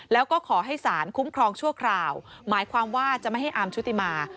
แล้วก็ขอให้สารคุ้มครองชั่วคราวหมายความว่าจะไม่ให้อาร์มชุติมา